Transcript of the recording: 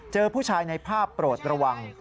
เจอผู้ชายในภาพโปรดระวัง